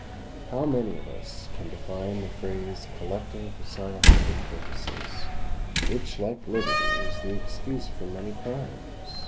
How many of us can define the phrase "collecting for scientific purposes," which, like liberty, is the excuse for many crimes?